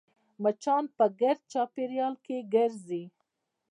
مچان په ګرد چاپېریال کې ګرځي